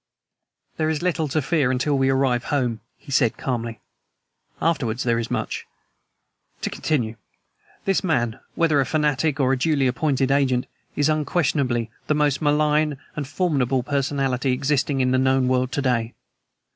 "There is little to fear until we arrive home," he said calmly. "Afterwards there is much. To continue: This man, whether a fanatic or a duly appointed agent, is, unquestionably, the most malign and formidable personality existing in the known world today.